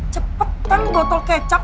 cepetan botol kecap